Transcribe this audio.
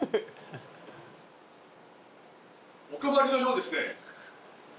お困りのようですね？